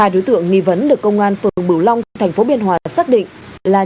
hai đối tượng nghi vấn được công an phường bửu long tp biên hòa xác định là